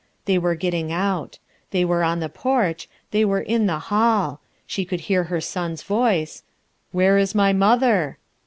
They were getting out. They were on the porch, they were in the hall; she could hear her son's voice: — "Where is my mother?"